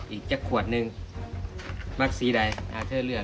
อีกเกี่ยวขวดหนึ่งมากสีใดอาเตอร์เลือด